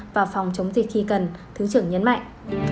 và phòng chống dịch khi cần thứ trưởng nhấn mạnh